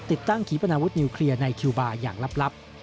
ติดตั้งขีปนาวุฒนิวเคลียร์ในคิวบาร์อย่างลับ